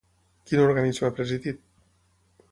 Quin organisme ha presidit?